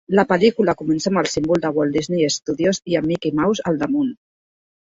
La pel·lícula comença amb el símbol de Walt Disney Studios i en Mickey Mouse al damunt.